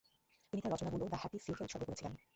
তিনি তাঁর রচনাগুলো "the happy ফিউ"কে উৎসর্গ করেছিলেন।